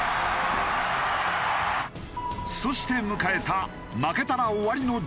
そして迎えた負けたら終わりの準決勝。